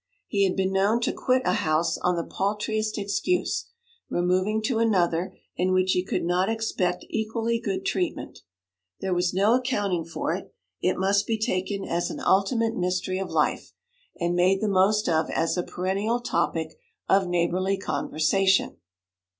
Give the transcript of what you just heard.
He had been known to quit a house on the paltriest excuse, removing to another in which he could not expect equally good treatment. There was no accounting for it: it must be taken as an ultimate mystery of life, and made the most of as a perennial topic of neighbourly conversation.